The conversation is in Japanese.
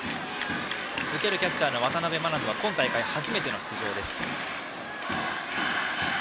受けるキャッチャーの渡辺眞翔は今大会初めての出場です。